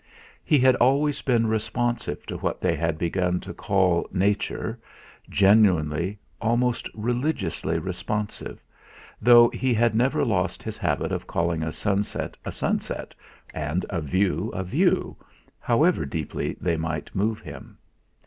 He had always been responsive to what they had begun to call 'Nature,' genuinely, almost religiously responsive, though he had never lost his habit of calling a sunset a sunset and a view a view, however deeply they might move him.